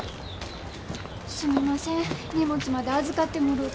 すみません荷物まで預かってもろうて。